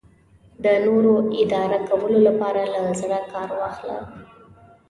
د نورو اداره کولو لپاره له زړه کار واخله.